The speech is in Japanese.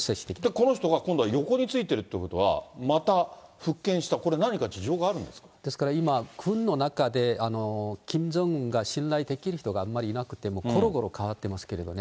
この人が横についてるっていうことは、また復権した、これ何ですから今、軍の中で、キム・ジョンウンが信頼できる方があんまりいなくて、もうころころ代わってますけれどもね。